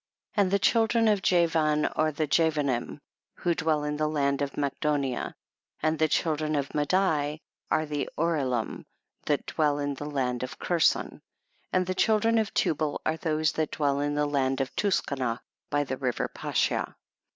13. And the children of Javan are the Javanim who dwell in the land of Makdonia, and tlie children of Madai ai'e the Orelum that dwell in the land of Curson, and the children of Tubal are those that dwell in the land of Tuskanah by the river Pa shiah.